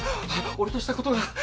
俺としたことが。